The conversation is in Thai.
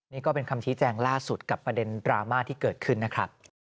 นี่ก็เป็นคำชี้แจงล่าสุดกับประเด็นดราม่าที่เกิดขึ้นนะครับ